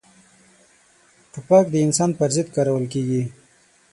توپک د انسان پر ضد کارول کېږي.